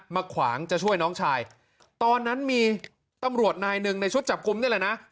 ขวางจะช่วยน้องชายตอนนั้นมีตำรวจนายหนึ่งในชุดจับกลุ่มนี่แหละนะ